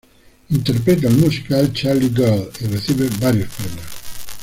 Interpreta el musical "Charlie girl" y recibe varios premios.